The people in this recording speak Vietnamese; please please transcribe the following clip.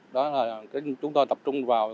đó là chúng tôi tập trung vào